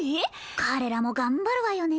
彼らも頑張るわよね